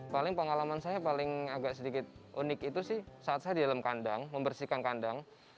paling pengalaman saya paling agak sedikit unik itu sih saat saya di dalam kandang membersihkan kandang